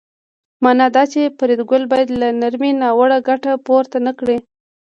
مانا دا چې فریدګل باید له نرمۍ ناوړه ګټه پورته نکړي